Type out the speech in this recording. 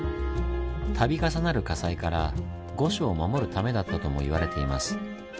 度重なる火災から御所を守るためだったとも言われています。